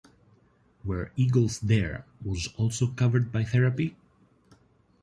"Where Eagles Dare" was covered by Therapy?